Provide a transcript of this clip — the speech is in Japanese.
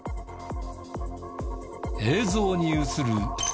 映像に映る